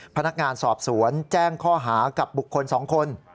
พนักงานสอบสวนแจ้งข้อหากับบุคคล๒คน